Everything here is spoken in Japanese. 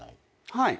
はい。